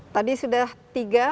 tadi sudah tiga